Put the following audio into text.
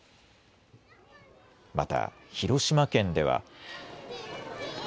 また、広島県では。